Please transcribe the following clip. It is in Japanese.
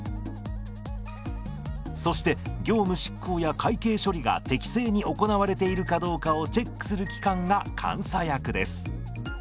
そして業務執行や会計処理が適正に行われているかどうかをチェックする機関が監査役です。